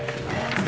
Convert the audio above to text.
ntar ya pak